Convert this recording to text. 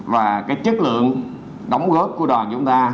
và cái chất lượng đóng góp của đoàn chúng ta